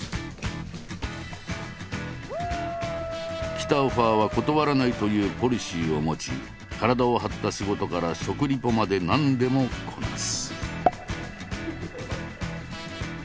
「来たオファーは断らない」というポリシーを持ち体を張った仕事から食リポまで何でもこなす。